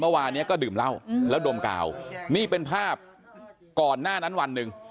เมื่อวานนี้ก็ดื่มเหล้าแล้วดมกาวนี่เป็นภาพก่อนหน้านั้นวันหนึ่ง